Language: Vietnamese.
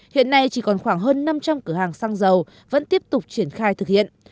hiện nay chỉ còn khoảng hơn năm trăm linh cửa hàng xăng dầu vẫn tiếp tục triển khai thực hiện